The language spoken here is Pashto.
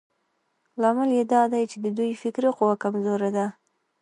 لامل يې دا دی چې د دوی فکري قوه کمزورې ده.